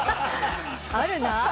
あるな。